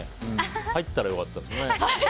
入ったら良かったですね。